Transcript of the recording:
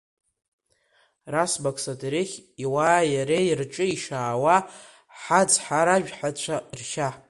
Расмаг сотерих иуааи иареи рҿы ишаауа ҳацҳаражәҳәацәа ршьа!